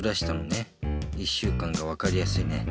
１週間がわかりやすいね。